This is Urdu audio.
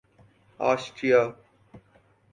آسٹریا